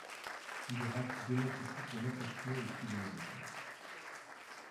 Civeyrac démontre ici son attachement au cinéma d'auteur.